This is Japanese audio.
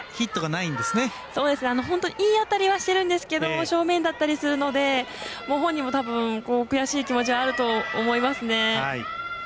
いい当たりはしてるんですけど正面だったりするので本人も悔しい気持ちはあると思いますね。